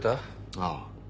ああ。